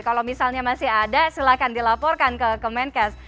kalau misalnya masih ada silakan dilaporkan ke kemenkes